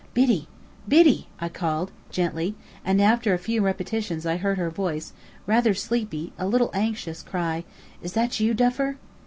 "Biddy Biddy!" I called gently, and after a few repetitions I heard her voice, rather sleepy, a little anxious, cry, "Is that you, Duffer?"